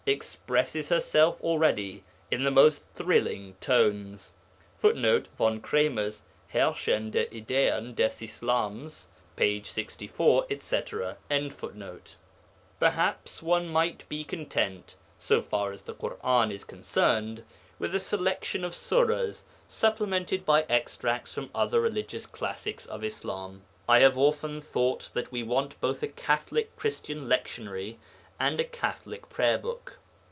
expresses herself already in the most thrilling tones. [Footnote: Von Kremer's Herrschende Ideen des Islams, pp. 64, etc.] Perhaps one might be content, so far as the Ḳur'an is concerned, with a selection of Suras, supplemented by extracts from other religious classics of Islam. I have often thought that we want both a Catholic Christian lectionary and a Catholic prayer book.